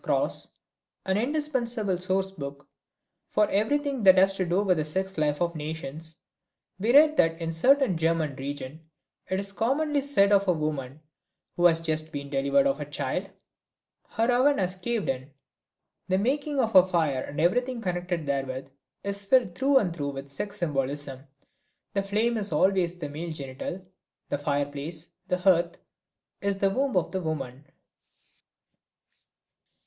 Krauss, an indispensable source book for everything that has to do with the sex life of nations, we read that in a certain German region it is commonly said of a woman who has just been delivered of a child, "Her oven has caved in." The making of a fire and everything connected therewith is filled through and through with sex symbolism. The flame is always the male genital, the fireplace, the hearth, is the womb of the woman.